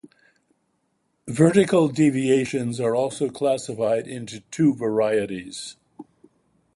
Vertical deviations are also classified into two varieties.